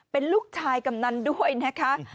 เป็นลูกชายกำนันด้วยนะคะ